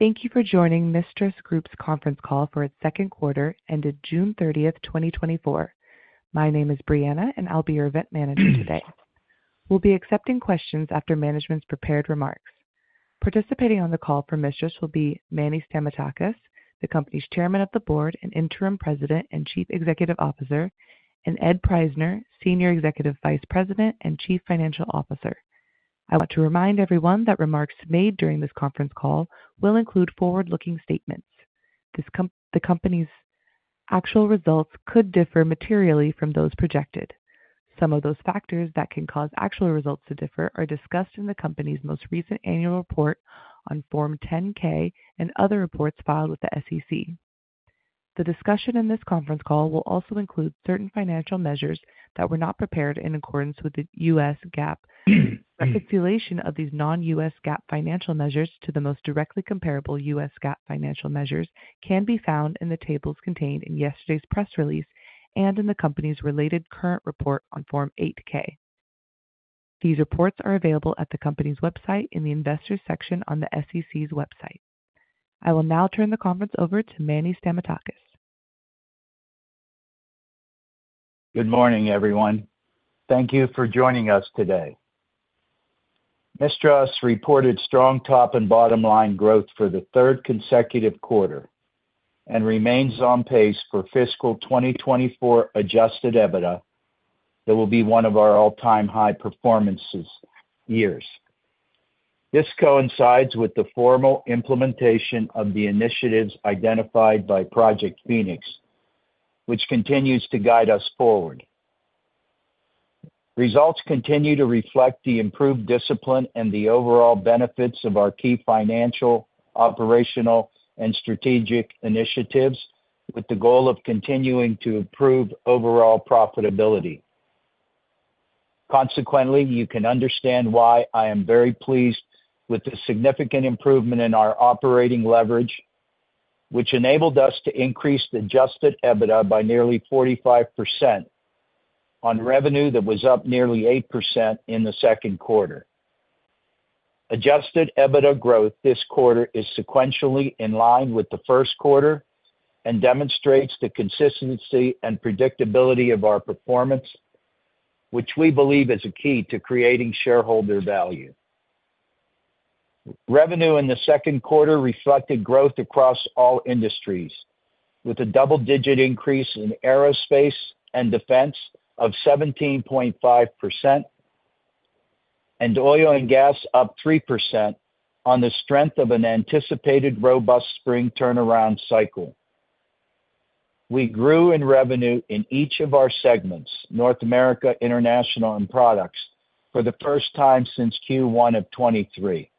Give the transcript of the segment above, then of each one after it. Thank you for joining MISTRAS Group's conference call for its second quarter, ended June 30th, 2024. My name is Brianna, and I'll be your event manager today. We'll be accepting questions after management's prepared remarks. Participating on the call for MISTRAS will be Manny Stamatakis, the company's Chairman of the Board and Interim President and Chief Executive Officer, and Ed Prajzner, Senior Executive Vice President and Chief Financial Officer. I want to remind everyone that remarks made during this conference call will include forward-looking statements. The company's actual results could differ materially from those projected. Some of those factors that can cause actual results to differ are discussed in the company's most recent annual report on Form 10-K and other reports filed with the SEC. The discussion in this conference call will also include certain financial measures that were not prepared in accordance with U.S. GAAP. Reconciliation of these non-GAAP financial measures to the most directly comparable U.S. GAAP financial measures can be found in the tables contained in yesterday's press release and in the company's related current report on Form 8-K. These reports are available at the company's website in the Investors section on the SEC's website. I will now turn the conference over to Manny Stamatakis. Good morning, everyone. Thank you for joining us today. MISTRAS reported strong top and bottom line growth for the third consecutive quarter and remains on pace for fiscal 2024 Adjusted EBITDA. That will be one of our all-time high performances years. This coincides with the formal implementation of the initiatives identified by Project Phoenix, which continues to guide us forward. Results continue to reflect the improved discipline and the overall benefits of our key financial, operational, and strategic initiatives, with the goal of continuing to improve overall profitability. Consequently, you can understand why I am very pleased with the significant improvement in our operating leverage, which enabled us to increase the Adjusted EBITDA by nearly 45% on revenue that was up nearly 8% in the second quarter. Adjusted EBITDA growth this quarter is sequentially in line with the first quarter and demonstrates the consistency and predictability of our performance, which we believe is a key to creating shareholder value. Revenue in the second quarter reflected growth across all industries, with a double-digit increase in Aerospace and Defense of 17.5%, and oil and gas up 3% on the strength of an anticipated robust spring turnaround cycle. We grew in revenue in each of our segments, North America, International, and Products, for the first time since Q1 of 2023.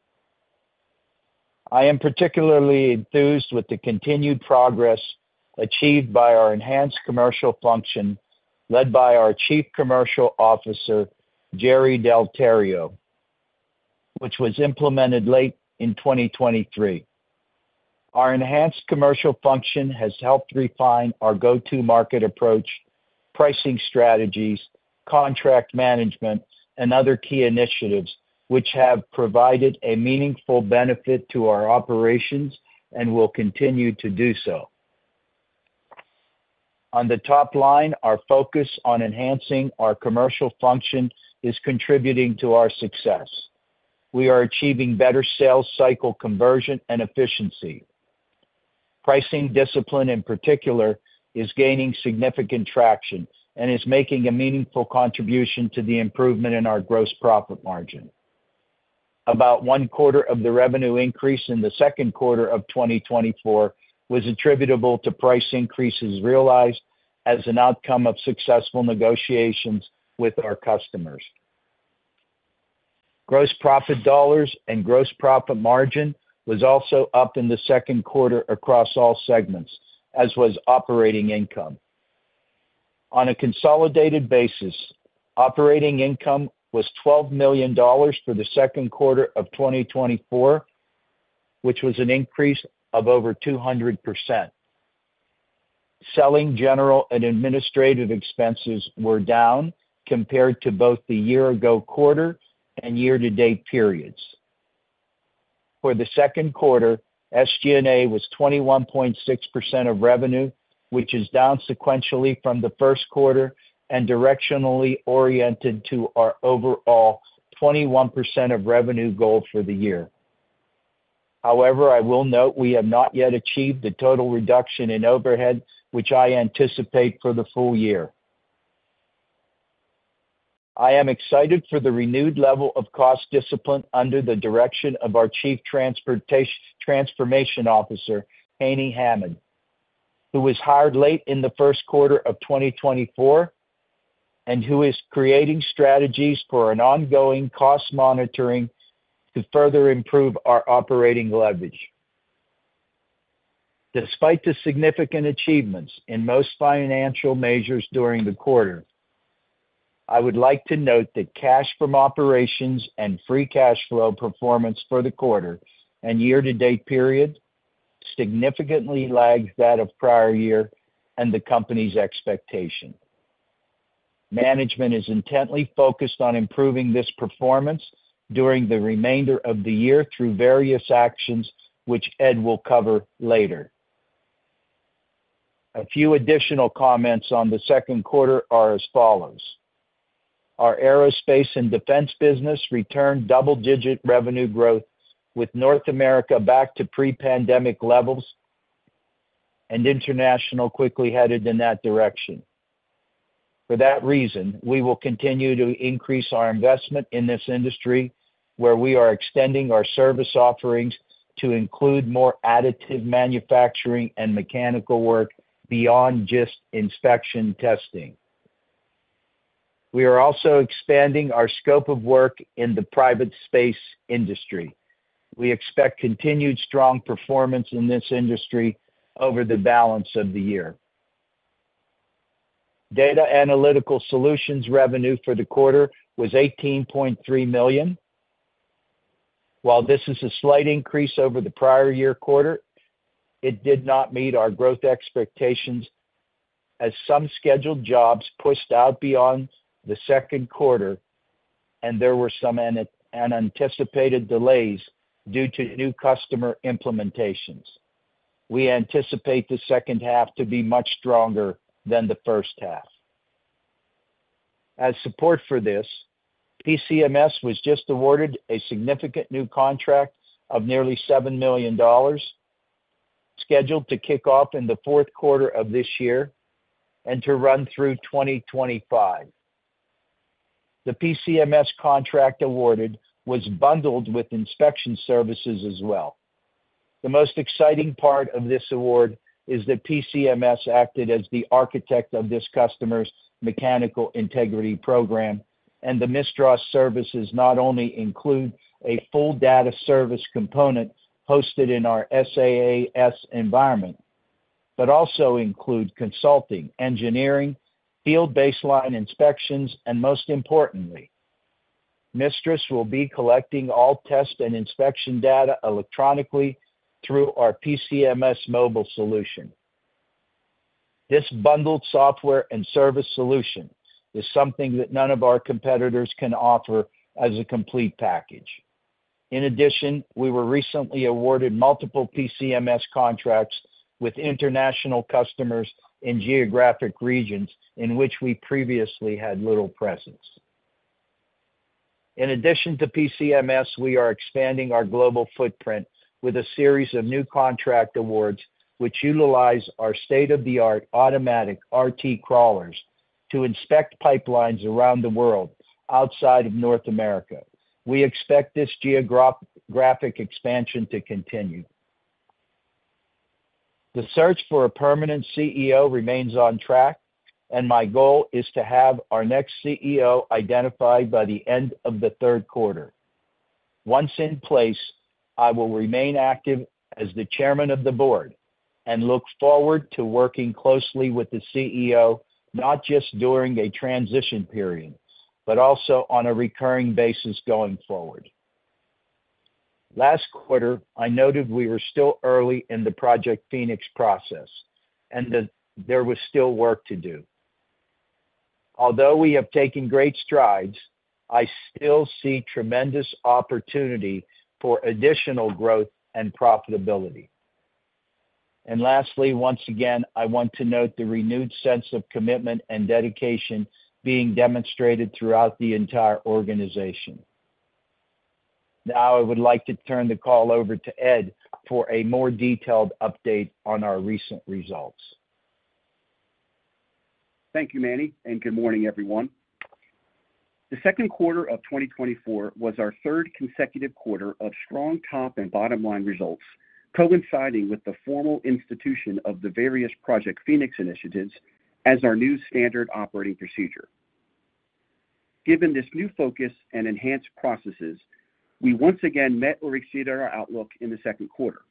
I am particularly enthused with the continued progress achieved by our enhanced commercial function, led by our Chief Commercial Officer, Jerry D'Alterio, which was implemented late in 2023. Our enhanced commercial function has helped refine our go-to-market approach, pricing strategies, contract management, and other key initiatives, which have provided a meaningful benefit to our operations and will continue to do so. On the top line, our focus on enhancing our commercial function is contributing to our success. We are achieving better sales cycle conversion and efficiency. Pricing discipline, in particular, is gaining significant traction and is making a meaningful contribution to the improvement in our gross profit margin. About one quarter of the revenue increase in the second quarter of 2024 was attributable to price increases realized as an outcome of successful negotiations with our customers. Gross profit dollars and gross profit margin was also up in the second quarter across all segments, as was operating income. On a consolidated basis, operating income was $12 million for the second quarter of 2024, which was an increase of over 200%. Selling, general, and administrative expenses were down compared to both the year-ago quarter and year-to-date periods. For the second quarter, SG&A was 21.6% of revenue, which is down sequentially from the first quarter and directionally oriented to our overall 21% of revenue goal for the year. However, I will note we have not yet achieved the total reduction in overhead, which I anticipate for the full year. I am excited for the renewed level of cost discipline under the direction of our Chief Transformation Officer, Hani Hammad, who was hired late in the first quarter of 2024, and who is creating strategies for an ongoing cost monitoring to further improve our operating leverage. Despite the significant achievements in most financial measures during the quarter, I would like to note that cash from operations and free cash flow performance for the quarter and year-to-date period significantly lags that of prior year and the company's expectation. Management is intently focused on improving this performance during the remainder of the year through various actions, which Ed will cover later. A few additional comments on the second quarter are as follows: Our Aerospace and Defense business returned double-digit revenue growth, with North America back to pre-pandemic levels and International quickly headed in that direction. For that reason, we will continue to increase our investment in this industry, where we are extending our service offerings to include more additive manufacturing and mechanical work beyond just inspection testing. We are also expanding our scope of work in the private space industry. We expect continued strong performance in this industry over the balance of the year. Data analytical solutions revenue for the quarter was $18.3 million. While this is a slight increase over the prior year quarter, it did not meet our growth expectations as some scheduled jobs pushed out beyond the second quarter, and there were some unanticipated delays due to new customer implementations. We anticipate the second half to be much stronger than the first half. As support for this, PCMS was just awarded a significant new contract of nearly $7 million, scheduled to kick off in the fourth quarter of this year and to run through 2025. The PCMS contract awarded was bundled with inspection services as well. The most exciting part of this award is that PCMS acted as the architect of this customer's mechanical integrity program, and the MISTRAS services not only include a full data service component hosted in our SaaS environment, but also include consulting, engineering, field baseline inspections, and most importantly, MISTRAS will be collecting all test and inspection data electronically through our PCMS Mobile solution. This bundled software and service solution is something that none of our competitors can offer as a complete package. In addition, we were recently awarded multiple PCMS contracts with international customers in geographic regions in which we previously had little presence. In addition to PCMS, we are expanding our global footprint with a series of new contract awards, which utilize our state-of-the-art Automatic RT crawlers to inspect pipelines around the world outside of North America. We expect this geographic expansion to continue. The search for a permanent CEO remains on track, and my goal is to have our next CEO identified by the end of the third quarter. Once in place, I will remain active as the Chairman of the Board and look forward to working closely with the CEO, not just during a transition period, but also on a recurring basis going forward. Last quarter, I noted we were still early in the Project Phoenix process and that there was still work to do. Although we have taken great strides, I still see tremendous opportunity for additional growth and profitability. And lastly, once again, I want to note the renewed sense of commitment and dedication being demonstrated throughout the entire organization. Now I would like to turn the call over to Ed for a more detailed update on our recent results. Thank you, Manny, and good morning, everyone. The second quarter of 2024 was our third consecutive quarter of strong top and bottom line results, coinciding with the formal institution of the various Project Phoenix initiatives as our new standard operating procedure. Given this new focus and enhanced processes, we once again met or exceeded our outlook in the second quarter,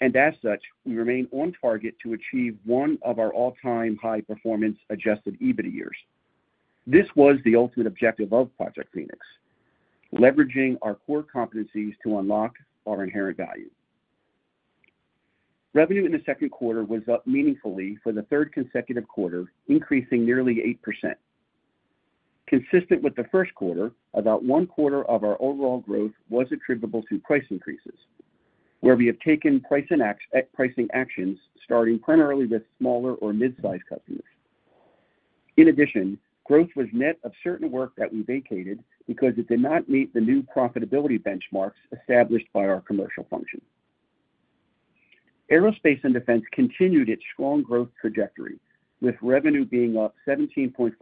and as such, we remain on target to achieve one of our all-time high-performance Adjusted EBITDA years. This was the ultimate objective of Project Phoenix, leveraging our core competencies to unlock our inherent value. Revenue in the second quarter was up meaningfully for the third consecutive quarter, increasing nearly 8%. Consistent with the first quarter, about one quarter of our overall growth was attributable to price increases, where we have taken pricing actions, starting primarily with smaller or mid-sized customers. In addition, growth was net of certain work that we vacated because it did not meet the new profitability benchmarks established by our commercial function. Aerospace and Defense continued its strong growth trajectory, with revenue being up 17.5%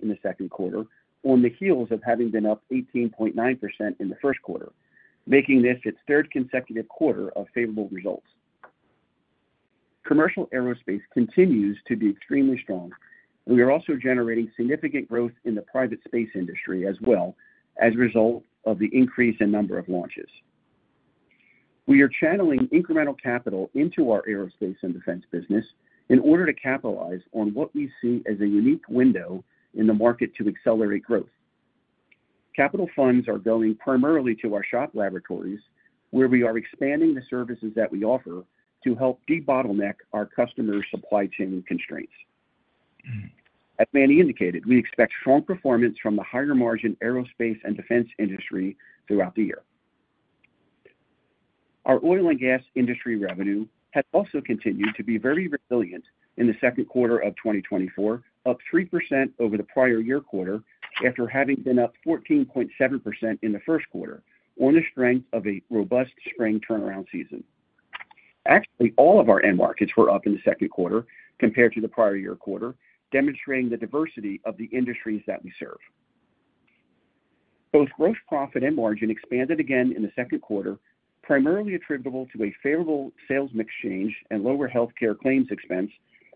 in the second quarter on the heels of having been up 18.9% in the first quarter, making this its third consecutive quarter of favorable results. Commercial aerospace continues to be extremely strong, and we are also generating significant growth in the private space industry as well as a result of the increase in number of launches. We are channeling incremental capital into our Aerospace and Defense business in order to capitalize on what we see as a unique window in the market to accelerate growth.... Capital funds are going primarily to our shop laboratories, where we are expanding the services that we offer to help debottleneck our customers' supply chain constraints. As Manny indicated, we expect strong performance from the higher-margin Aerospace and Defense industry throughout the year. Our oil and gas industry revenue has also continued to be very resilient in the second quarter of 2024, up 3% over the prior year quarter, after having been up 14.7% in the first quarter, on the strength of a robust spring turnaround season. Actually, all of our end markets were up in the second quarter compared to the prior year quarter, demonstrating the diversity of the industries that we serve. Both gross profit and margin expanded again in the second quarter, primarily attributable to a favorable sales mix change and lower healthcare claims expense,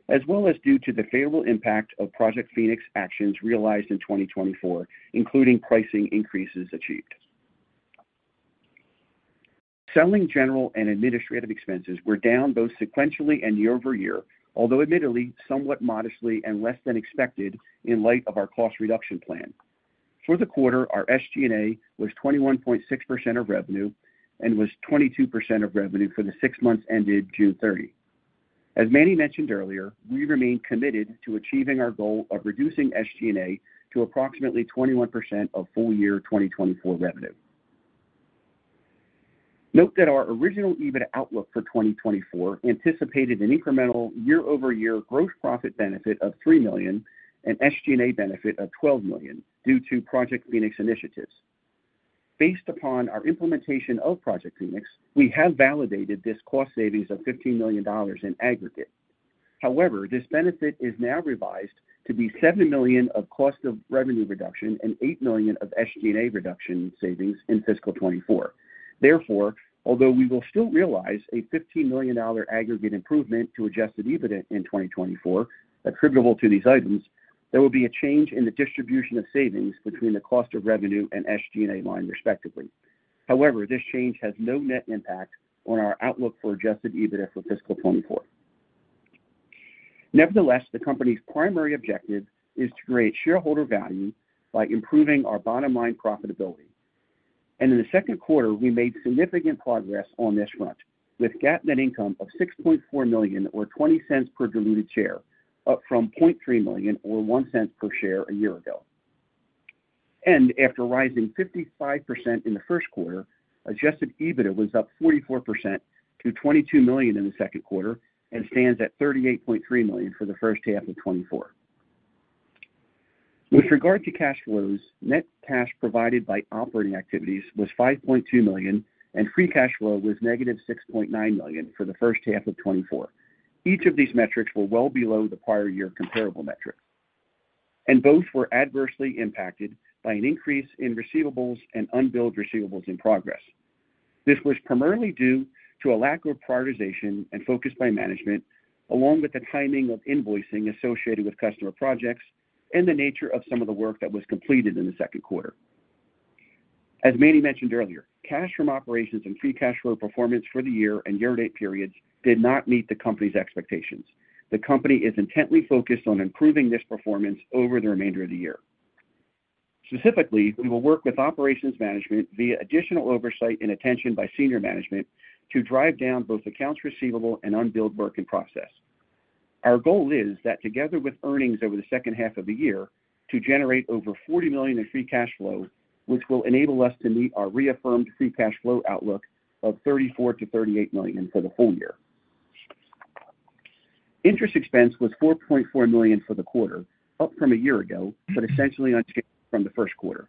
as well as due to the favorable impact of Project Phoenix actions realized in 2024, including pricing increases achieved. Selling, general, and administrative expenses were down both sequentially and year-over-year, although admittedly somewhat modestly and less than expected in light of our cost reduction plan. For the quarter, our SG&A was 21.6% of revenue and was 22% of revenue for the six months ended June 30th. As Manny mentioned earlier, we remain committed to achieving our goal of reducing SG&A to approximately 21% of full year 2024 revenue. Note that our original EBIT outlook for 2024 anticipated an incremental year-over-year gross profit benefit of $3 million and SG&A benefit of $12 million due to Project Phoenix initiatives. Based upon our implementation of Project Phoenix, we have validated this cost savings of $15 million in aggregate. However, this benefit is now revised to be $7 million of cost of revenue reduction and $8 million of SG&A reduction savings in fiscal 2024. Therefore, although we will still realize a $15 million aggregate improvement to Adjusted EBITDA in 2024 attributable to these items, there will be a change in the distribution of savings between the cost of revenue and SG&A line, respectively. However, this change has no net impact on our outlook for Adjusted EBITDA for fiscal 2024. Nevertheless, the company's primary objective is to create shareholder value by improving our bottom-line profitability. In the second quarter, we made significant progress on this front, with GAAP net income of $6.4 million, or $0.20 per diluted share, up from $0.3 million, or $0.01 per share a year ago. After rising 55% in the first quarter, Adjusted EBITDA was up 44% to $22 million in the second quarter and stands at $38.3 million for the first half of 2024. With regard to cash flows, net cash provided by operating activities was $5.2 million, and free cash flow was -$6.9 million for the first half of 2024. Each of these metrics were well below the prior year comparable metric, and both were adversely impacted by an increase in receivables and unbilled receivables in progress. This was primarily due to a lack of prioritization and focus by management, along with the timing of invoicing associated with customer projects and the nature of some of the work that was completed in the second quarter. As Manny mentioned earlier, cash from operations and free cash flow performance for the year and year-to-date periods did not meet the company's expectations. The company is intently focused on improving this performance over the remainder of the year. Specifically, we will work with operations management via additional oversight and attention by senior management to drive down both accounts receivable and unbilled work in process. Our goal is that, together with earnings over the second half of the year, to generate over $40 million in free cash flow, which will enable us to meet our reaffirmed free cash flow outlook of $34 million-$38 million for the full year. Interest expense was $4.4 million for the quarter, up from a year ago, but essentially unchanged from the first quarter.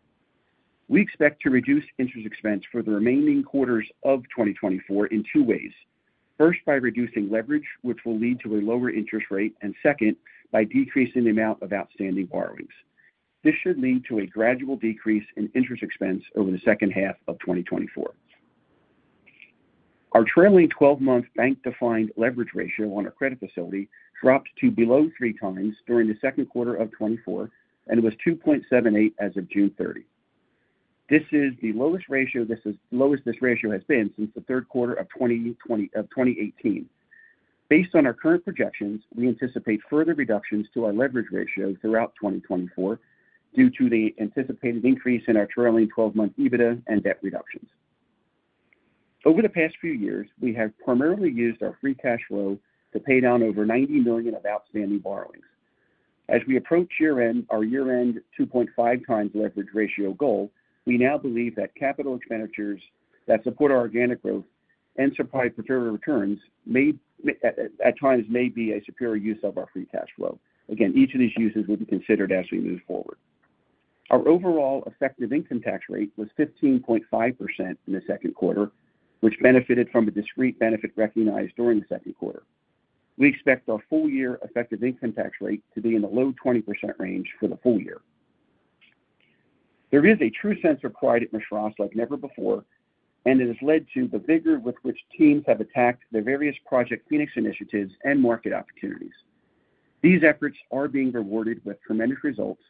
We expect to reduce interest expense for the remaining quarters of 2024 in two ways. First, by reducing leverage, which will lead to a lower interest rate, and second, by decreasing the amount of outstanding borrowings. This should lead to a gradual decrease in interest expense over the second half of 2024. Our trailing 12-month bank-defined leverage ratio on our credit facility dropped to below 3x during the second quarter of 2024, and it was 2.78x as of June 30th. This is the lowest this ratio has been since the third quarter of 2018. Based on our current projections, we anticipate further reductions to our leverage ratio throughout 2024 due to the anticipated increase in our trailing 12-month EBITDA and debt reductions. Over the past few years, we have primarily used our free cash flow to pay down over $90 million of outstanding borrowings. As we approach year-end, our year-end 2.5x leverage ratio goal, we now believe that capital expenditures that support our organic growth and supply preferable returns may, at times, may be a superior use of our free cash flow. Again, each of these uses will be considered as we move forward. Our overall effective income tax rate was 15.5% in the second quarter, which benefited from the discrete benefit recognized during the second quarter. We expect our full-year effective income tax rate to be in the low 20% range for the full year. There is a true sense of pride at MISTRAS like never before, and it has led to the vigor with which teams have attacked their various Project Phoenix initiatives and market opportunities. These efforts are being rewarded with tremendous results.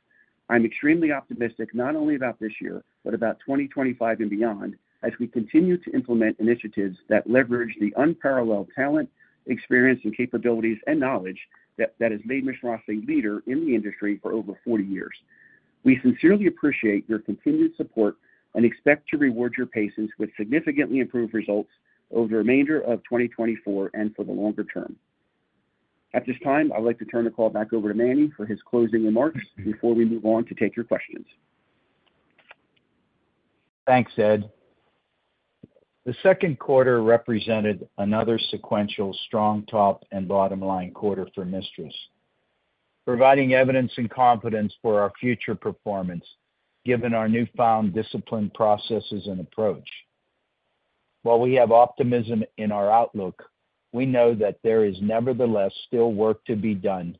I'm extremely optimistic not only about this year, but about 2025 and beyond, as we continue to implement initiatives that leverage the unparalleled talent, experience and capabilities and knowledge that has made MISTRAS a leader in the industry for over 40 years. We sincerely appreciate your continued support and expect to reward your patience with significantly improved results over the remainder of 2024 and for the longer term. At this time, I'd like to turn the call back over to Manny for his closing remarks before we move on to take your questions. Thanks, Ed. The second quarter represented another sequential strong top and bottom line quarter for MISTRAS, providing evidence and confidence for our future performance, given our newfound disciplined processes and approach. While we have optimism in our outlook, we know that there is nevertheless still work to be done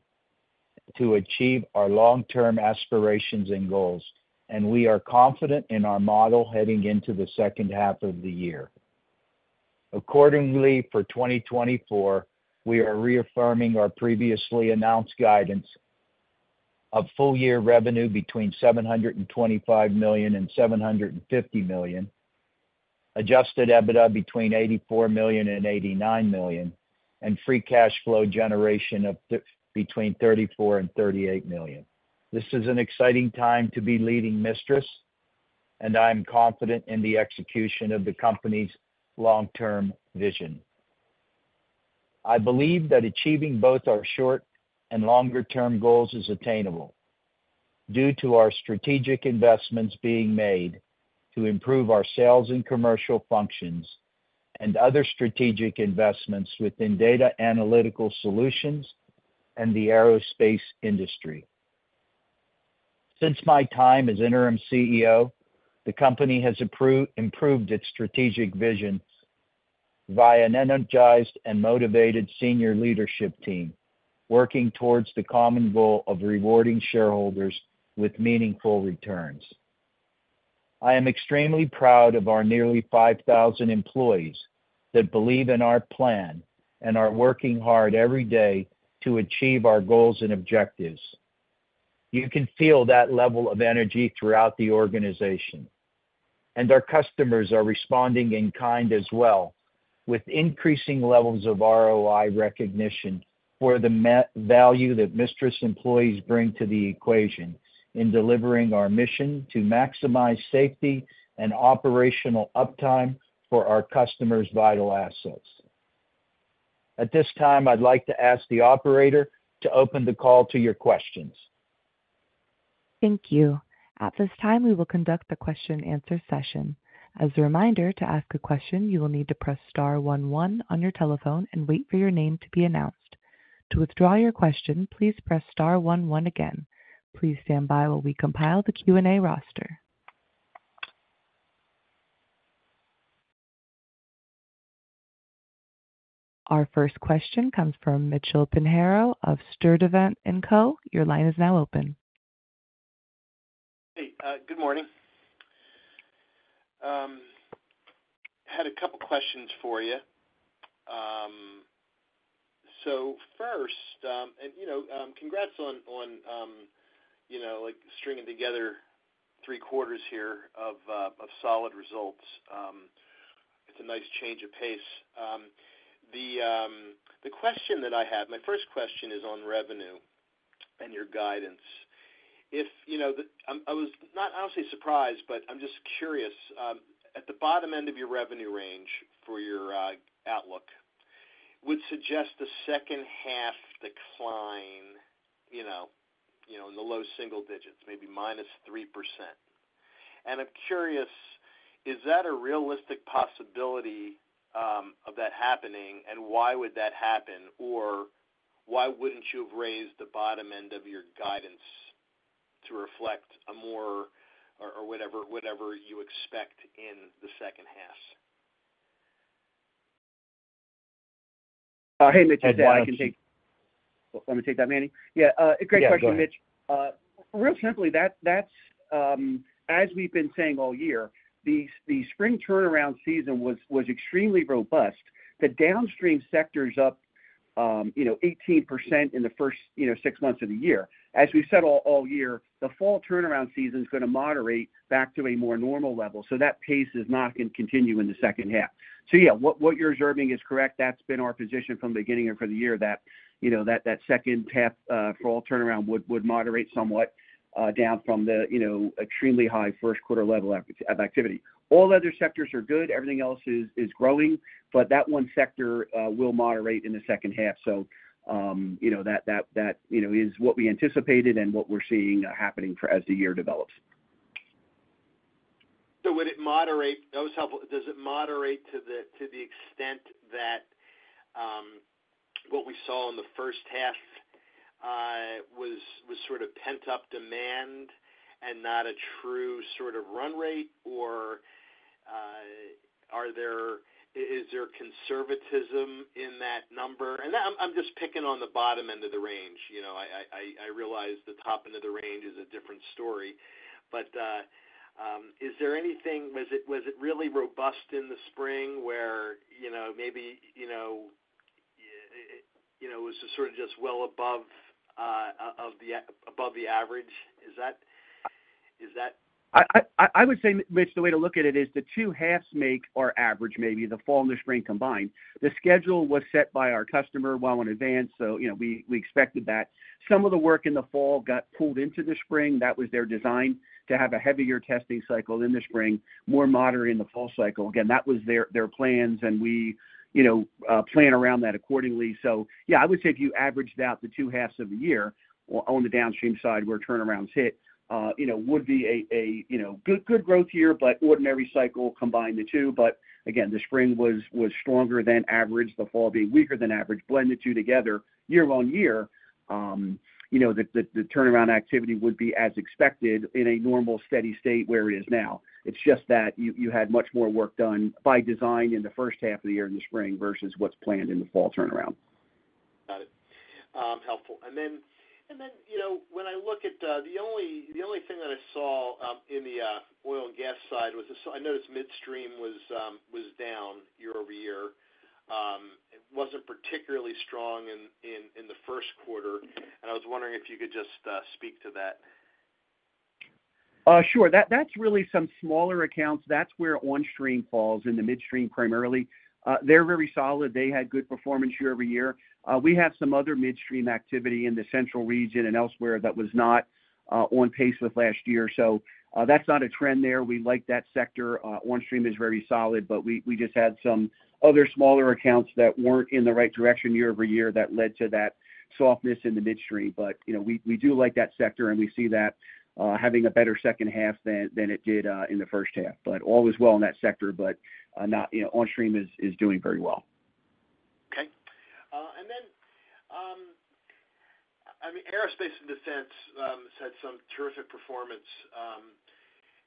to achieve our long-term aspirations and goals, and we are confident in our model heading into the second half of the year. Accordingly, for 2024, we are reaffirming our previously announced guidance of full year revenue between $725 million and $750 million, Adjusted EBITDA between $84 million and $89 million, and free cash flow generation of between $34 million and $38 million. This is an exciting time to be leading MISTRAS, and I am confident in the execution of the company's long-term vision. I believe that achieving both our short and longer-term goals is attainable due to our strategic investments being made to improve our sales and commercial functions and other strategic investments within data analytical solutions and the aerospace industry. Since my time as interim CEO, the company has improved its strategic vision via an energized and motivated senior leadership team, working towards the common goal of rewarding shareholders with meaningful returns. I am extremely proud of our nearly 5,000 employees that believe in our plan and are working hard every day to achieve our goals and objectives. You can feel that level of energy throughout the organization, and our customers are responding in kind as well, with increasing levels of ROI recognition for the value that MISTRAS employees bring to the equation in delivering our mission to maximize safety and operational uptime for our customers' vital assets. At this time, I'd like to ask the operator to open the call to your questions. Thank you. At this time, we will conduct the question-and-answer session. As a reminder, to ask a question, you will need to press star one, one on your telephone and wait for your name to be announced. To withdraw your question, please press star one, one again. Please stand by while we compile the Q&A roster. Our first question comes from Mitchell Pinheiro of Sturdivant & Co. Your line is now open. Hey, good morning. Had a couple questions for you. So first, you know, congrats on you know like stringing together three quarters here of solid results. It's a nice change of pace. The question that I have, my first question is on revenue and your guidance. If you know, I was not honestly surprised, but I'm just curious at the bottom end of your revenue range for your outlook, would suggest a second half decline you know in the low single digits, maybe -3%. And I'm curious, is that a realistic possibility of that happening, and why would that happen? Or why wouldn't you have raised the bottom end of your guidance to reflect a more or whatever you expect in the second half? Hey, Mitch, I can take... Want me to take that, Manny? Yeah, great question, Mitch. Yeah, go ahead. Real simply, that's as we've been saying all year, the spring turnaround season was extremely robust. The downstream sector is up, you know, 18% in the first, you know, six months of the year. As we've said all year, the fall turnaround season is gonna moderate back to a more normal level, so that pace is not going to continue in the second half. So yeah, what you're observing is correct. That's been our position from the beginning of the year, that, you know, that second half, fall turnaround would moderate somewhat, down from the, you know, extremely high first quarter level of activity. All other sectors are good. Everything else is growing, but that one sector will moderate in the second half. So, you know, that you know is what we anticipated and what we're seeing happening for as the year develops. So would it moderate... That was helpful. Does it moderate to the extent that what we saw in the first half was sort of pent-up demand and not a true sort of run rate? Or, are there, is there conservatism in that number? And I'm just picking on the bottom end of the range. You know, I realize the top end of the range is a different story. But, is there anything... Was it really robust in the spring where, you know, maybe, you know, it was sort of just well above the average? Is that?... I would say, Mitch, the way to look at it is the two halves make our average, maybe the fall and the spring combined. The schedule was set by our customer well in advance, so, you know, we expected that. Some of the work in the fall got pulled into the spring. That was their design, to have a heavier testing cycle in the spring, more moderate in the fall cycle. Again, that was their plans, and we, you know, plan around that accordingly. So yeah, I would say if you averaged out the two halves of the year on the downstream side, where turnarounds hit, you know, would be a good growth year, but ordinary cycle, combine the two. But again, the spring was stronger than average, the fall being weaker than average. Blend the two together year-on-year, you know, the turnaround activity would be as expected in a normal, steady state where it is now. It's just that you had much more work done by design in the first half of the year, in the spring, versus what's planned in the fall turnaround. Got it. Helpful. And then, you know, when I look at the only thing that I saw in the oil and gas side was the... I noticed midstream was down year-over-year. It wasn't particularly strong in the first quarter, and I was wondering if you could just speak to that. Sure. That, that's really some smaller accounts. That's where Onstream falls in the midstream, primarily. They're very solid. They had good performance year-over-year. We have some other midstream activity in the central region and elsewhere that was not, on pace with last year. So, that's not a trend there. We like that sector. Onstream is very solid, but we, we just had some other smaller accounts that weren't in the right direction year-over-year that led to that softness in the midstream. But, you know, we, we do like that sector, and we see that, having a better second half than, than it did, in the first half. But all is well in that sector, but, not, you know, Onstream is, is doing very well. Okay. And then, I mean, Aerospace and Defense has had some terrific performance.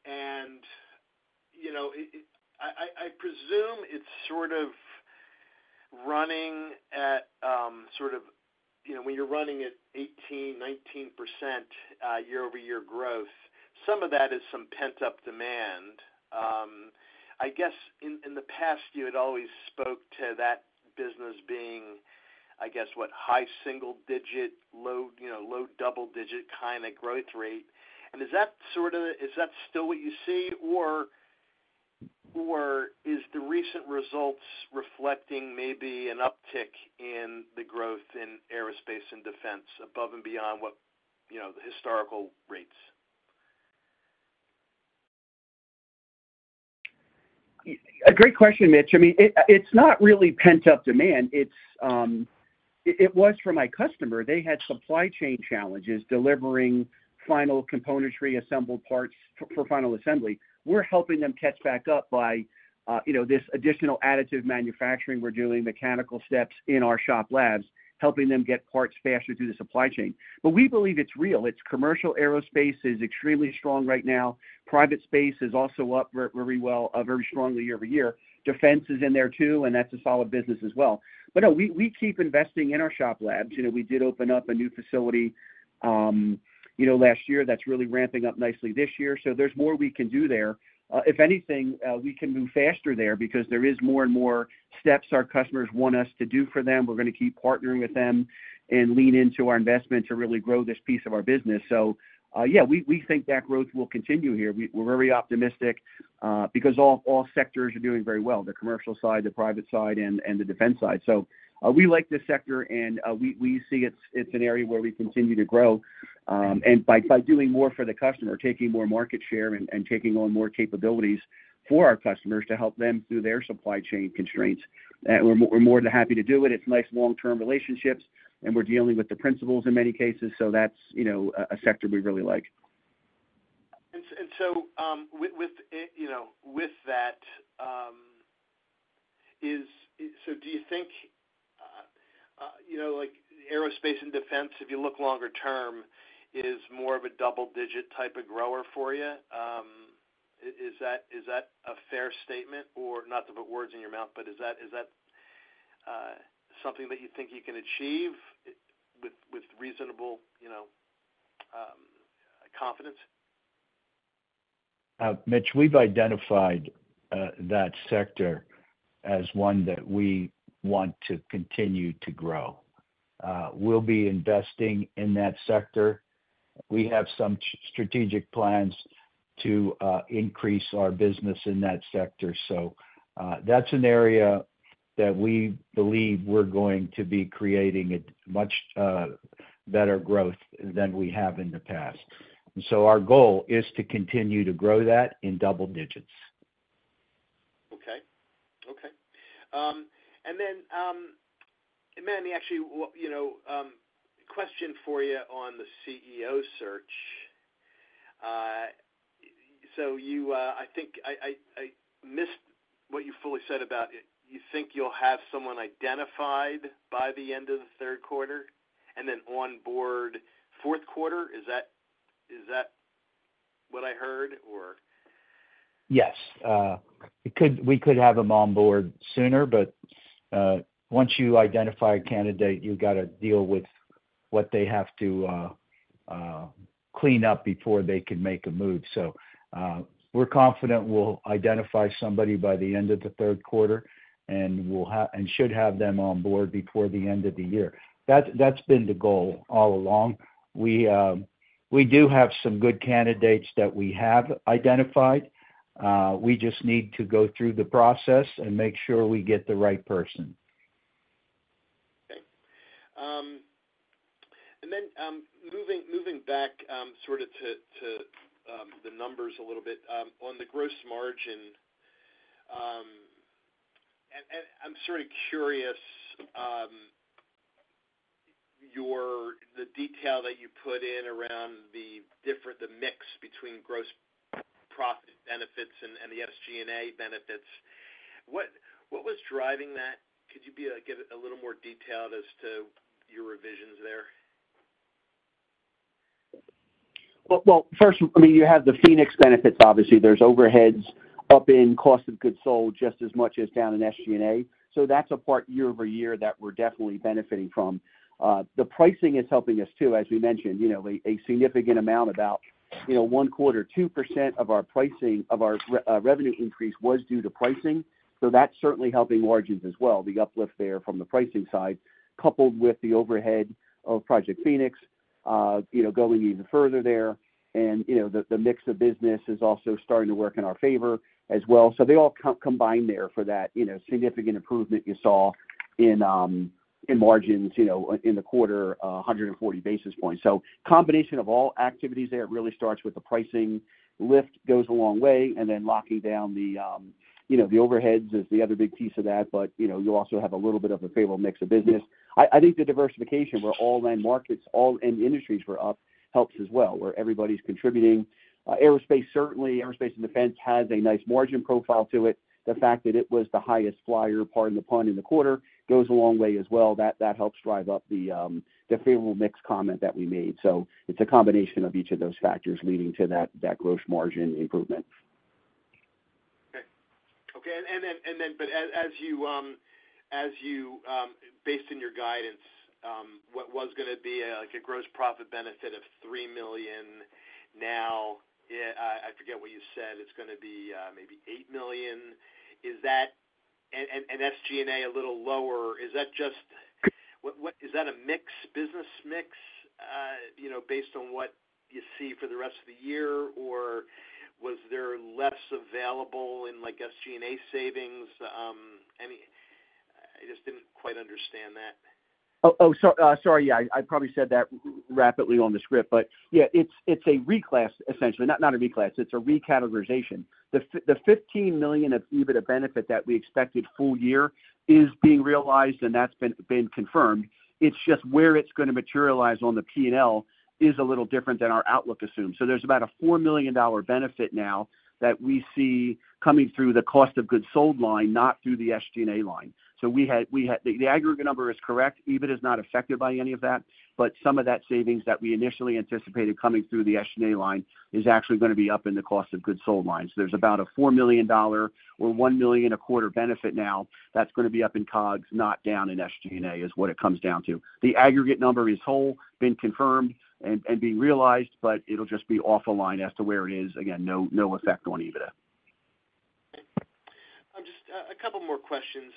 And, you know, I presume it's sort of running at, sort of, you know, when you're running at 18%-19%, year-over-year growth, some of that is some pent-up demand. I guess in the past, you had always spoke to that business being, I guess, what? High single digit, low double digit kind of growth rate. And is that sort of still what you see, or is the recent results reflecting maybe an uptick in the growth in Aerospace and Defense above and beyond what, you know, the historical rates? A great question, Mitch. I mean, it's not really pent-up demand. It's it was for my customer. They had supply chain challenges delivering final components, reassembled parts for final assembly. We're helping them catch back up by, you know, this additional additive manufacturing. We're doing mechanical steps in our Shop Labs, helping them get parts faster through the supply chain. But we believe it's real. It's commercial aerospace is extremely strong right now. Private space is also up very, very well, very strongly year-over-year. Defense is in there, too, and that's a solid business as well. But no, we keep investing in our Shop Labs. You know, we did open up a new facility, you know, last year that's really ramping up nicely this year. So there's more we can do there. If anything, we can move faster there because there is more and more steps our customers want us to do for them. We're gonna keep partnering with them and lean into our investment to really grow this piece of our business. So, yeah, we think that growth will continue here. We're very optimistic because all sectors are doing very well, the commercial side, the private side, and the defense side. So, we like this sector, and we see it's an area where we continue to grow, and by doing more for the customer, taking more market share and taking on more capabilities for our customers to help them through their supply chain constraints. We're more than happy to do it. It's nice long-term relationships, and we're dealing with the principals in many cases, so that's, you know, a sector we really like. So do you think, you know, like Aerospace and Defense, if you look longer term, is more of a double-digit type of grower for you? Is that a fair statement? Or not to put words in your mouth, but is that something that you think you can achieve with reasonable, you know, confidence? Mitch, we've identified that sector as one that we want to continue to grow. We'll be investing in that sector. We have some strategic plans to increase our business in that sector. So, that's an area that we believe we're going to be creating a much better growth than we have in the past. And so our goal is to continue to grow that in double digits. Okay, okay. And then, and Manny, actually, you know, question for you on the CEO search. So you, I think I missed what you fully said about it. You think you'll have someone identified by the end of the third quarter, and then on board fourth quarter? Is that what I heard, or? Yes. It could, we could have them on board sooner, but once you identify a candidate, you've got to deal with what they have to clean up before they can make a move. So, we're confident we'll identify somebody by the end of the third quarter, and we'll have, and should have them on board before the end of the year. That's, that's been the goal all along. We-... We do have some good candidates that we have identified. We just need to go through the process and make sure we get the right person. Okay. And then, moving back, sort of to the numbers a little bit, on the gross margin, and I'm sort of curious, your- the detail that you put in around the different, the mix between gross profit benefits and the SG&A benefits. What was driving that? Could you give a little more detail as to your revisions there? Well, well, first, I mean, you have the Phoenix benefits. Obviously, there's overheads up in cost of goods sold just as much as down in SG&A. So that's a part year-over-year that we're definitely benefiting from. The pricing is helping us, too, as we mentioned, you know, a significant amount, about, you know, 0.25%-2% of our pricing, of our revenue increase was due to pricing. So that's certainly helping margins as well, the uplift there from the pricing side, coupled with the overhead of Project Phoenix, you know, going even further there. And, you know, the mix of business is also starting to work in our favor as well. So they all combine there for that, you know, significant improvement you saw in margins, you know, in the quarter, 140 basis points. So, combination of all activities there, it really starts with the pricing. Lift goes a long way, and then locking down the, you know, the overheads is the other big piece of that. But, you know, you also have a little bit of a favorable mix of business. I think the diversification, where all end markets, all end industries were up, helps as well, where everybody's contributing. Aerospace, certainly, Aerospace and Defense has a nice margin profile to it. The fact that it was the highest flyer, pardon the pun, in the quarter, goes a long way as well. That helps drive up the favorable mix comment that we made. So it's a combination of each of those factors leading to that gross margin improvement. Okay. Okay, and then, but as you, based on your guidance, what was gonna be, like, a gross profit benefit of $3 million, now, I forget what you said, it's gonna be, maybe $8 million. Is that... and SG&A a little lower, is that just what is that a mix, business mix, you know, based on what you see for the rest of the year? Or was there less available in, like, SG&A savings? Any, I just didn't quite understand that. Sorry, yeah, I probably said that rapidly on the script. But yeah, it's a reclass, essentially, not a reclass, it's a recategorization. The 15 million of EBITDA benefit that we expected full year is being realized, and that's been confirmed. It's just where it's gonna materialize on the P&L is a little different than our outlook assumed. So there's about a $4 million benefit now that we see coming through the cost of goods sold line, not through the SG&A line. So the aggregate number is correct. EBITDA is not affected by any of that, but some of that savings that we initially anticipated coming through the SG&A line is actually gonna be up in the cost of goods sold line. So there's about a $4 million or $1 million a quarter benefit now that's gonna be up in COGS, not down in SG&A, is what it comes down to. The aggregate number is whole, been confirmed and being realized, but it'll just be off the line as to where it is. Again, no, no effect on EBITDA. Okay. Just, a couple more questions.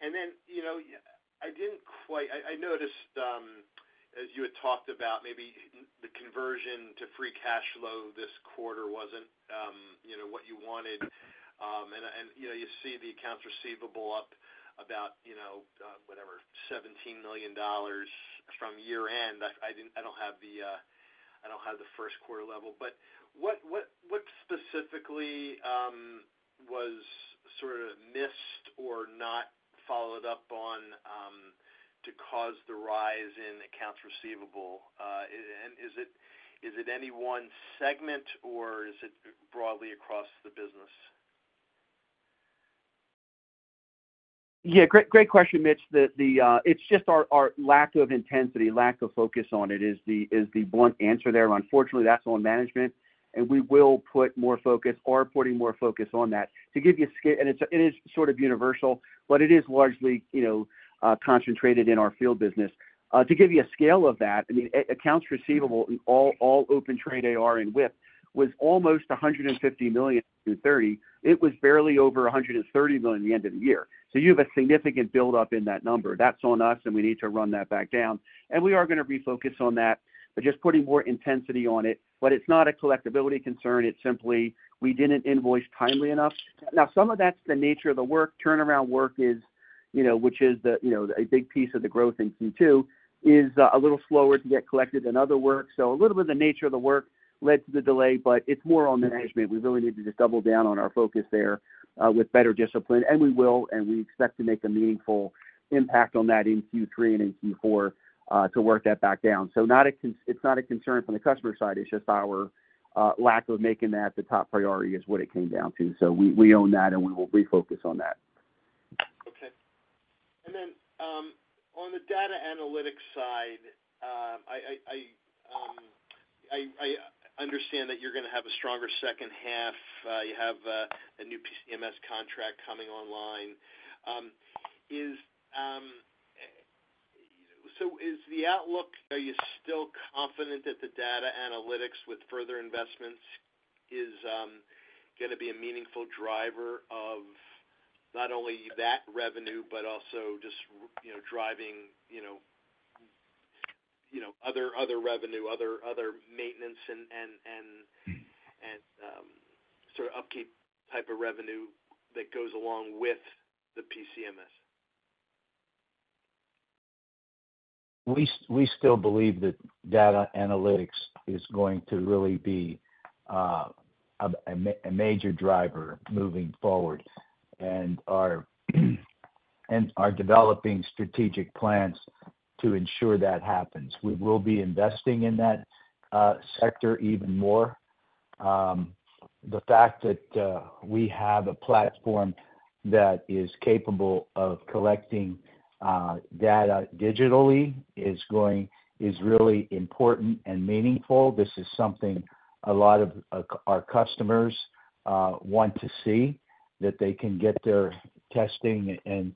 And then, you know, I didn't quite... I, I noticed, as you had talked about, maybe the conversion to free cash flow this quarter wasn't, you know, what you wanted. And, and, you know, you see the accounts receivable up about, you know, whatever, $17 million from year-end. I, I didn't- I don't have the, I don't have the first quarter level. But what, what, what specifically, was sort of missed or not followed up on, to cause the rise in accounts receivable? And is it, is it any one segment, or is it broadly across the business? Yeah, great, great question, Mitch. The it's just our lack of intensity, lack of focus on it is the blunt answer there. Unfortunately, that's on management, and we will put more focus, are putting more focus on that. To give you scale, and it's, it is sort of universal, but it is largely, you know, concentrated in our field business. To give you a scale of that, I mean, accounts receivable, all open trade AR and WIP, was almost $150 million in Q3. It was barely over $130 million the end of the year. So you have a significant buildup in that number. That's on us, and we need to run that back down, and we are gonna refocus on that by just putting more intensity on it. But it's not a collectibility concern. It's simply we didn't invoice timely enough. Now, some of that's the nature of the work. Turnaround work is, you know, which is the, you know, a big piece of the growth in Q2, is a little slower to get collected than other work. So a little bit of the nature of the work led to the delay, but it's more on the management. We really need to just double down on our focus there with better discipline, and we will, and we expect to make a meaningful impact on that in Q3 and in Q4 to work that back down. So it's not a concern from the customer side. It's just our lack of making that the top priority, is what it came down to. So we own that, and we will refocus on that. Okay. And then, on the data analytics side, I understand that you're gonna have a stronger second half. You have a new PCMS contract coming online. So is the outlook, are you still confident that the data analytics with further investments is going to be a meaningful driver of not only that revenue, but also just, you know, driving, you know, other revenue, other maintenance and sort of upkeep type of revenue that goes along with the PCMS? We still believe that data analytics is going to really be a major driver moving forward and are developing strategic plans to ensure that happens. We will be investing in that sector even more. The fact that we have a platform that is capable of collecting data digitally is going is really important and meaningful. This is something a lot of our customers want to see, that they can get their testing and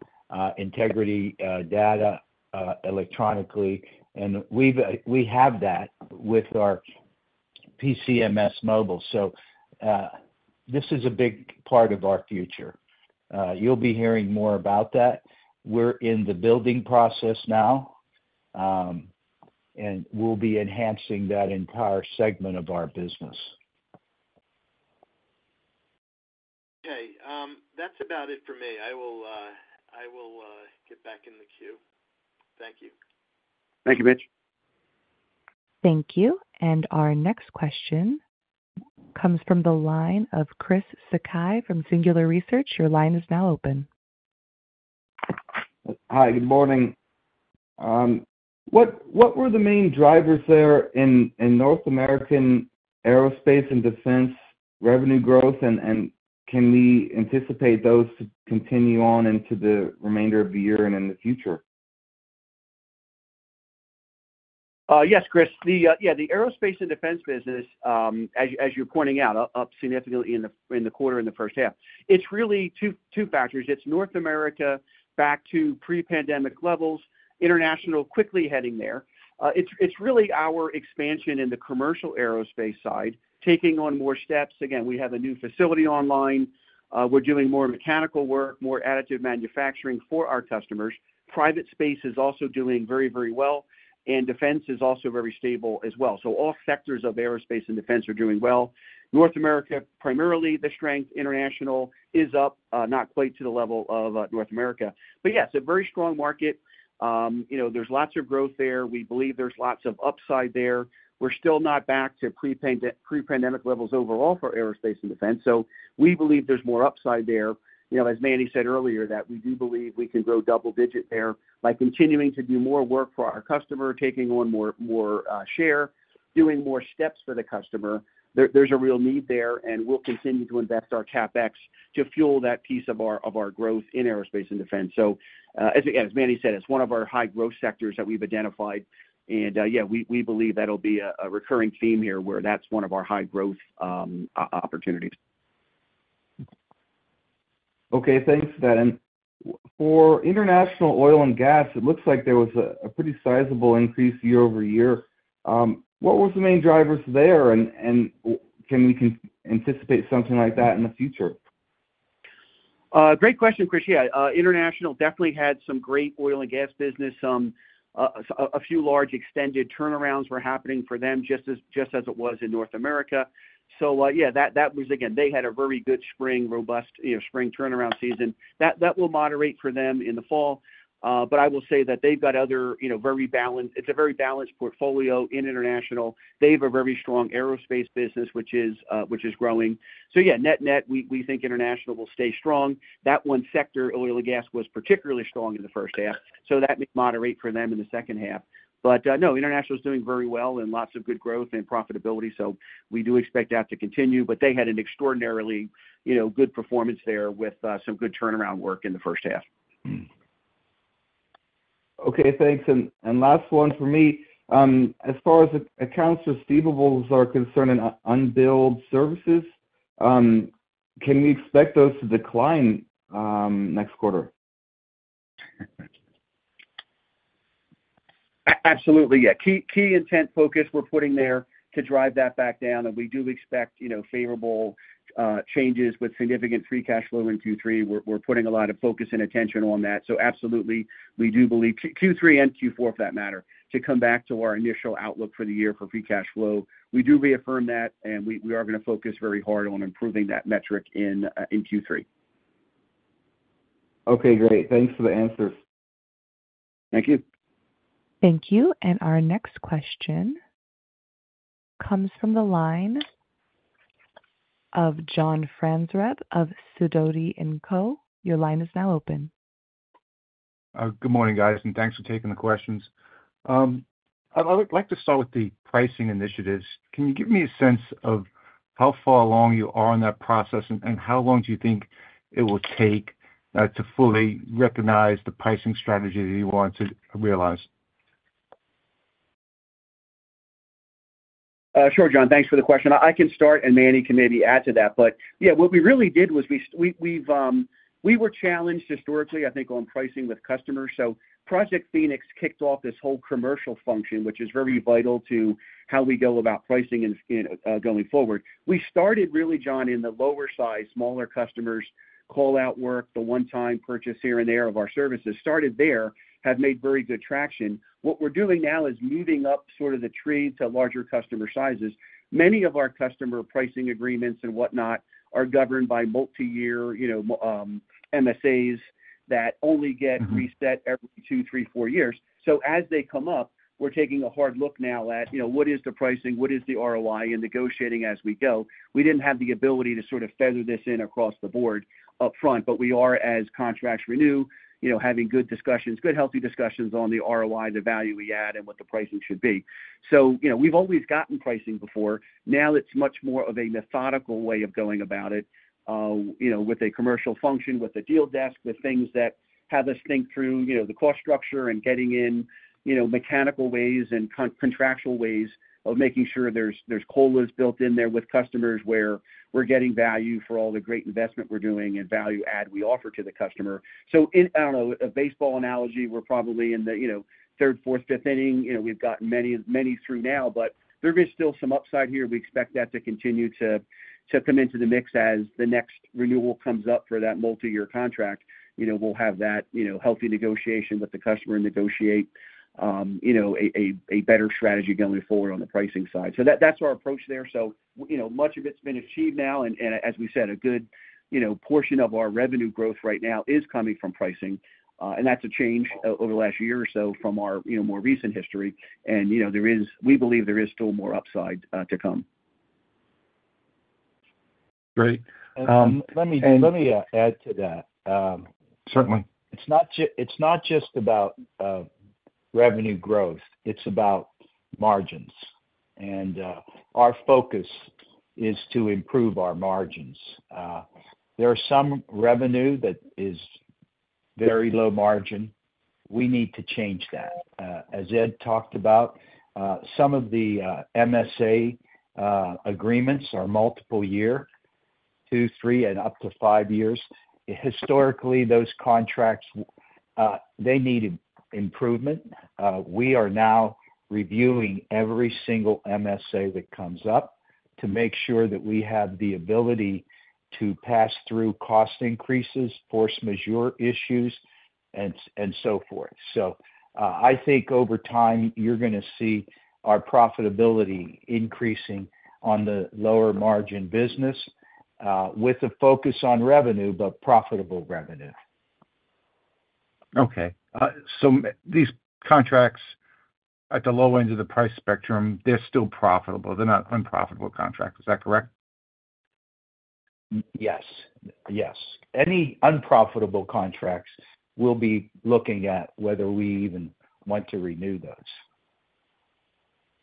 integrity data electronically. And we've we have that with our PCMS Mobile. So this is a big part of our future. You'll be hearing more about that. We're in the building process now and we'll be enhancing that entire segment of our business. Okay, that's about it for me. I will get back in the queue. Thank you. Thank you, Mitch. Thank you. And our next question comes from the line of Chris Sakai from Singular Research. Your line is now open. Hi, good morning. What, what were the main drivers there in, in North American Aerospace and Defense revenue growth? And, and can we anticipate those to continue on into the remainder of the year and in the future? Yes, Chris, yeah, the Aerospace and Defense business, as you're pointing out, up significantly in the quarter, in the first half. It's really two factors. It's North America back to pre-pandemic levels, international quickly heading there. It's really our expansion in the commercial aerospace side, taking on more steps. Again, we have a new facility online. We're doing more mechanical work, more additive manufacturing for our customers. Private space is also doing very, very well, and defense is also very stable as well. So all sectors of Aerospace and Defense are doing well. North America, primarily the strength, international is up, not quite to the level of North America. But yes, a very strong market. You know, there's lots of growth there. We believe there's lots of upside there. We're still not back to pre-pandemic levels overall for Aerospace and Defense, so we believe there's more upside there. You know, as Manny said earlier, that we do believe we can grow double digit there by continuing to do more work for our customer, taking on more share, doing more steps for the customer. There's a real need there, and we'll continue to invest our CapEx to fuel that piece of our growth in Aerospace and Defense. So, as Manny said, it's one of our high growth sectors that we've identified. And we believe that'll be a recurring theme here, where that's one of our high growth opportunities. Okay, thanks for that. And for international oil and gas, it looks like there was a pretty sizable increase year-over-year. What was the main drivers there? And can we anticipate something like that in the future? Great question, Chris. Yeah, international definitely had some great oil and gas business. A few large extended turnarounds were happening for them just as it was in North America. So, yeah, that was, again, they had a very good spring, robust, you know, spring turnaround season. That will moderate for them in the fall. But I will say that they've got other, you know, very balanced, it's a very balanced portfolio in international. They have a very strong aerospace business, which is growing. So yeah, net, we think international will stay strong. That one sector, oil and gas, was particularly strong in the first half, so that may moderate for them in the second half. But, no, international is doing very well and lots of good growth and profitability, so we do expect that to continue. But they had an extraordinarily, you know, good performance there with some good turnaround work in the first half. Okay, thanks. And last one for me. As far as accounts receivables are concerned and unbilled services, can we expect those to decline next quarter? Absolutely, yeah. Key intent focus we're putting there to drive that back down, and we do expect, you know, favorable changes with significant free cash flow in Q3. We're putting a lot of focus and attention on that. So absolutely, we do believe Q3 and Q4, for that matter, to come back to our initial outlook for the year for free cash flow. We do reaffirm that, and we are going to focus very hard on improving that metric in Q3. Okay, great. Thanks for the answers. Thank you. Thank you. Our next question comes from the line of John Franzreb of Sidoti & Co. Your line is now open. Good morning, guys, and thanks for taking the questions. I would like to start with the pricing initiatives. Can you give me a sense of how far along you are in that process, and, and how long do you think it will take to fully recognize the pricing strategy that you want to realize? ... Sure, John. Thanks for the question. I can start, and Manny can maybe add to that. But yeah, what we really did was we were challenged historically, I think, on pricing with customers. So Project Phoenix kicked off this whole commercial function, which is very vital to how we go about pricing and going forward. We started really, John, in the lower size, smaller customers, call out work, the one-time purchase here and there of our services. Started there, have made very good traction. What we're doing now is moving up sort of the tree to larger customer sizes. Many of our customer pricing agreements and whatnot are governed by multiyear, you know, MSAs that only get- Mm-hmm reset every two, three, four years. So as they come up, we're taking a hard look now at, you know, what is the pricing, what is the ROI, and negotiating as we go. We didn't have the ability to sort of feather this in across the board upfront, but we are, as contracts renew, you know, having good discussions, good, healthy discussions on the ROI, the value we add, and what the pricing should be. So, you know, we've always gotten pricing before. Now, it's much more of a methodical way of going about it, you know, with a commercial function, with a deal desk, with things that have us think through, you know, the cost structure and getting in, you know, mechanical ways and contractual ways of making sure there's COLAs built in there with customers, where we're getting value for all the great investment we're doing and value add we offer to the customer. So, I don't know, a baseball analogy, we're probably in the, you know, third, fourth, fifth inning, you know, we've gotten many, many through now, but there is still some upside here. We expect that to continue to come into the mix as the next renewal comes up for that multiyear contract. You know, we'll have that, you know, healthy negotiation with the customer and negotiate, you know, a better strategy going forward on the pricing side. So that's our approach there. So, you know, much of it's been achieved now, and as we said, a good, you know, portion of our revenue growth right now is coming from pricing, and that's a change over the last year or so from our, you know, more recent history. And, you know, there is... We believe there is still more upside to come. Great, Let me add to that. Certainly. It's not just about revenue growth, it's about margins. Our focus is to improve our margins. There are some revenue that is very low margin. We need to change that. As Ed talked about, some of the MSA agreements are multiple year, two, three, and up to five years. Historically, those contracts they need improvement. We are now reviewing every single MSA that comes up, to make sure that we have the ability to pass through cost increases, force majeure issues, and so forth. I think over time, you're gonna see our profitability increasing on the lower margin business, with a focus on revenue, but profitable revenue. Okay. So these contracts at the low end of the price spectrum, they're still profitable. They're not unprofitable contracts. Is that correct? Yes. Yes. Any unprofitable contracts, we'll be looking at whether we even want to renew those.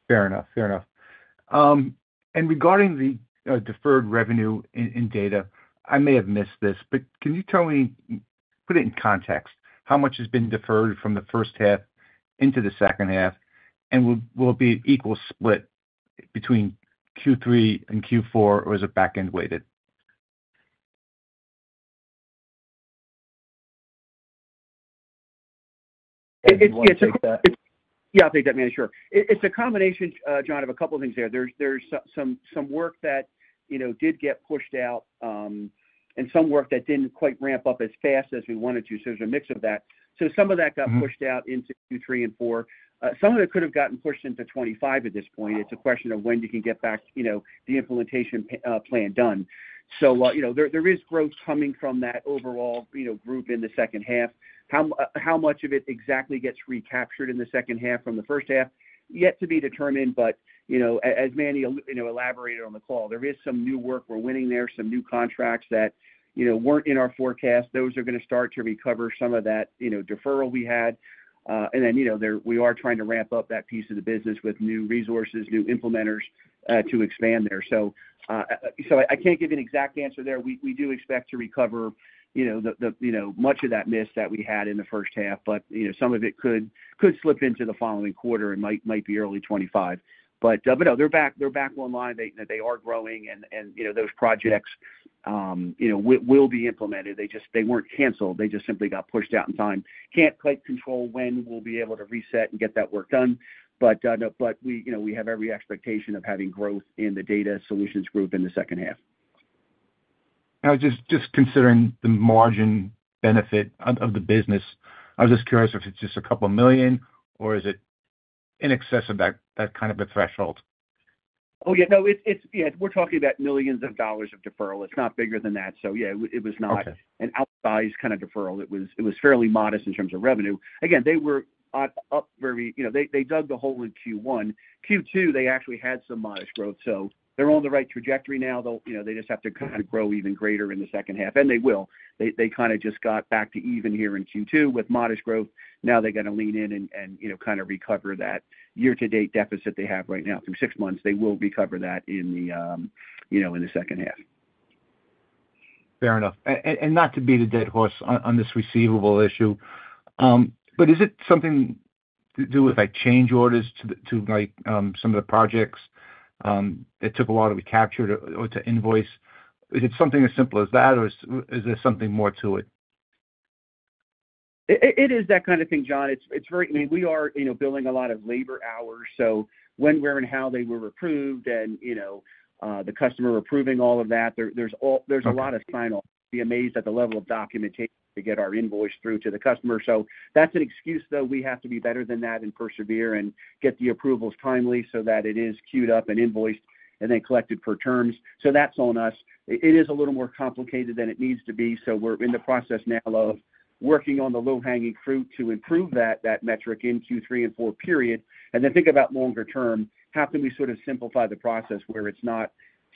Fair enough. Fair enough. And regarding the deferred revenue in data, I may have missed this, but can you tell me, put it in context, how much has been deferred from the first half into the second half? And will it be an equal split between Q3 and Q4, or is it back-end weighted? You want to take that? It's, it's- Yeah, I'll take that, Manny, sure. It's a combination, John, of a couple things there. There's some work that, you know, did get pushed out, and some work that didn't quite ramp up as fast as we wanted to, so there's a mix of that. So some of that got- Mm-hmm... pushed out into Q3 and four. Some of it could have gotten pushed into 2025 at this point. It's a question of when you can get back, you know, the implementation plan done. So, you know, there is growth coming from that overall, you know, group in the second half. How much of it exactly gets recaptured in the second half from the first half? Yet to be determined, but, you know, as Manny alluded, you know, on the call, there is some new work we're winning there, some new contracts that, you know, weren't in our forecast. Those are gonna start to recover some of that, you know, deferral we had. And then, you know, there, we are trying to ramp up that piece of the business with new resources, new implementers to expand there. So, I can't give you an exact answer there. We do expect to recover, you know, the you know much of that miss that we had in the first half, but you know some of it could slip into the following quarter and might be early 2025. But but no, they're back, they're back online. They are growing and you know those projects will be implemented. They just... They weren't canceled. They just simply got pushed out in time. Can't quite control when we'll be able to reset and get that work done, but no but we you know we have every expectation of having growth in the Data Solutions group in the second half. Now just considering the margin benefit of the business, I was just curious if it's just a couple million or is it in excess of that kind of a threshold? Oh, yeah, no, it's... Yeah, we're talking about millions of dollars of deferral. It's not bigger than that. So yeah, it was not- Okay... an outsized kind of deferral. It was, it was fairly modest in terms of revenue. Again, they were up very... You know, they dug the hole in Q1. Q2, they actually had some modest growth, so they're on the right trajectory now, though, you know, they just have to kind of grow even greater in the second half, and they will. They kind of just got back to even here in Q2 with modest growth. Now they've got to lean in and, you know, kind of recover that year-to-date deficit they have right now. From six months, they will recover that in the, you know, in the second half.... Fair enough. And not to beat a dead horse on this receivable issue, but is it something to do with, like, change orders to the, like, some of the projects that took a while to be captured or to invoice? Is it something as simple as that, or is there something more to it? It is that kind of thing, John. It's, it's very, I mean, we are, you know, billing a lot of labor hours, so when, where, and how they were approved and, you know, the customer approving all of that, there, there's all- Okay. There's a lot of sign-off. You'd be amazed at the level of documentation to get our invoice through to the customer. So that's an excuse, though, we have to be better than that and persevere and get the approvals timely so that it is queued up and invoiced and then collected per terms. So that's on us. It is a little more complicated than it needs to be, so we're in the process now of working on the low-hanging fruit to improve that metric in Q3 and 4 period. And then think about longer term, how can we sort of simplify the process where it's not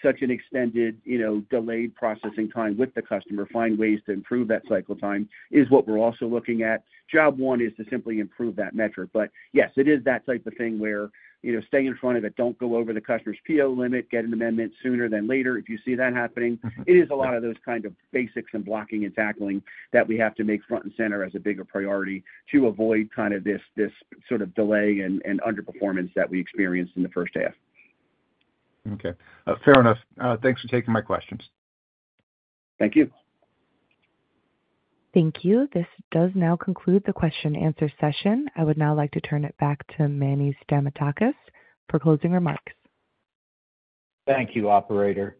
such an extended, you know, delayed processing time with the customer? Find ways to improve that cycle time is what we're also looking at. Job one is to simply improve that metric. But yes, it is that type of thing where, you know, stay in front of it, don't go over the customer's PO limit, get an amendment sooner than later if you see that happening. Mm-hmm. It is a lot of those kind of basics and blocking and tackling that we have to make front and center as a bigger priority to avoid kind of this, this sort of delay and, and underperformance that we experienced in the first half. Okay, fair enough. Thanks for taking my questions. Thank you. Thank you. This does now conclude the question-and-answer session. I would now like to turn it back to Manny Stamatakis for closing remarks. Thank you, operator,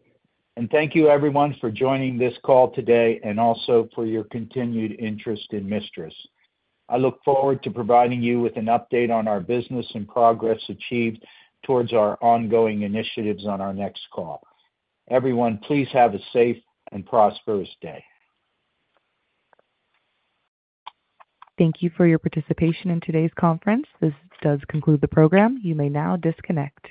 and thank you everyone for joining this call today and also for your continued interest in MISTRAS. I look forward to providing you with an update on our business and progress achieved towards our ongoing initiatives on our next call. Everyone, please have a safe and prosperous day. Thank you for your participation in today's conference. This does conclude the program. You may now disconnect.